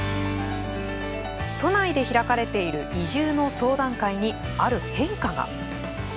都内で開かれている移住の相談会に、ある変化が。